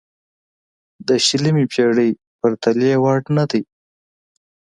د شلمې پېړۍ پرتلې وړ نه دی.